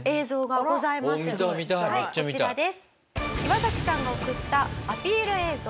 こちらです。